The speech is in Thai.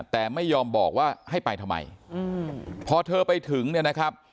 แต่ไม่ยอมบอกว่าให้ไปทำไมพอเธอไปถึงเนี่ยนะครับ